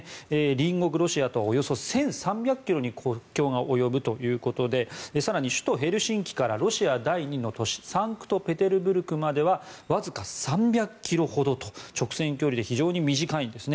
隣国ロシアとはおよそ１３００ｋｍに国境が及ぶということで更に、首都ヘルシンキからロシア第２の都市サンクトペテルブルクまではわずか３００ｋｍほどと直線距離で非常に短いんです。